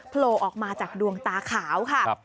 โผล่ออกมาจากดวงตาขาวค่ะ